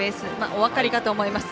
お分かりかと思います。